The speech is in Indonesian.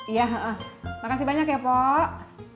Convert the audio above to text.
iya makasih banyak ya pak